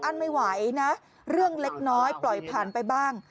ไม่ไหวนะเรื่องเล็กน้อยปล่อยผ่านไปบ้าง